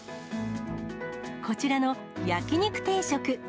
こちらの焼肉定食。